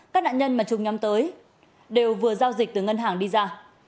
các nạn nhân mà trung nhắm tới đều vừa giao dịch từ ngân hàng đi ra